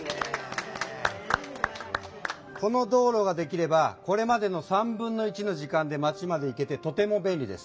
この道路ができればこれまでの３分の１の時間で町まで行けてとても便利です。